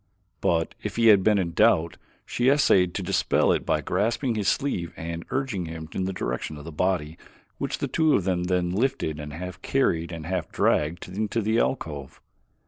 But if he had been in doubt, she essayed to dispel it by grasping his sleeve and urging him in the direction of the body which the two of them then lifted and half carried and half dragged into the alcove.